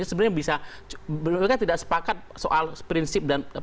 sebenarnya mereka tidak sepakat soal prinsip